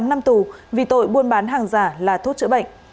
một mươi tám năm tù vì tội buôn bán hàng giả là thuốc chữa bệnh